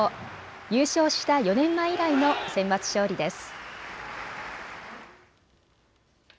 優勝した４年前以来のセンバツ勝利です。